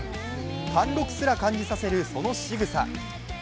貫禄すら感じさせるそのしぐさ。